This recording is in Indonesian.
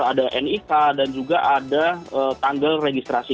ada nik dan juga ada tanggal registrasi